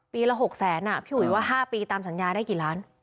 ละ๖แสนพี่อุ๋ยว่า๕ปีตามสัญญาได้กี่ล้าน